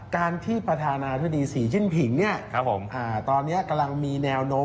การที่ประธานาธิบดีศรีจิ้นผิงตอนนี้กำลังมีแนวโน้ม